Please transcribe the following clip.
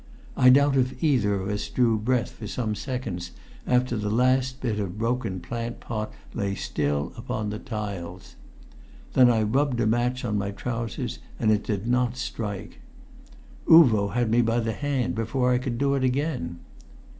I doubt if either of us drew breath for some seconds after the last bit of broken plant pot lay still upon the tiles. Then I rubbed a match on my trousers, but it did not strike. Uvo had me by the hand before I could do it again.